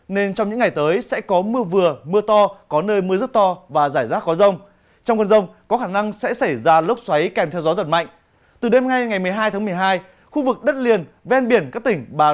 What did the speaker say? xin kính chào tạm biệt